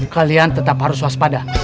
kalian tetap harus waspada